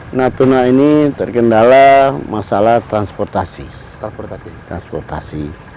di natuna terkendala masalah transportasi